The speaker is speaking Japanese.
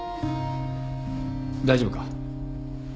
大丈夫か？